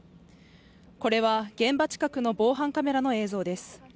これは現場近くの防犯カメラの映像です。